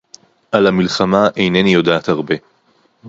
על המלחמה אינני יודעת הרבה.